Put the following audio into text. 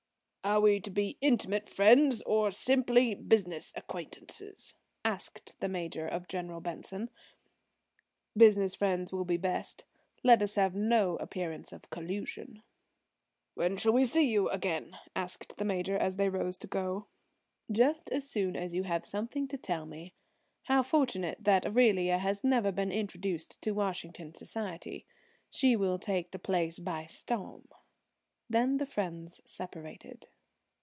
"Are we to be intimate friends or simply business acquaintances?" asked the Major of General Benson. "Business friends will be best. Let us have no appearance of collusion." "When shall we see you again?" asked the Major as they rose to go. "Just as soon as you have something to tell me. How fortunate that Aurelia has never been introduced to Washington society. She will take the place by storm." Then the friends separated.